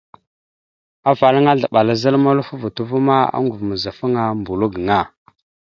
Afalaŋa aslaɓal a zal mulofa o voto ava ma, oŋgov mazafaŋa mbolo gaŋa.